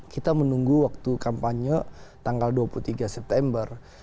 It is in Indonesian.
kita menunggu waktu kampanye tanggal dua puluh tiga september